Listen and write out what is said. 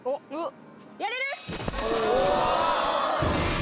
やれる？